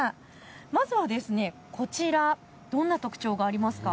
まずはこちら、どんな特徴がありますか。